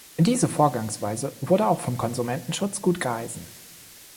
Diese Vorgangsweise wurde auch vom Konsumentenschutz gut geheißen.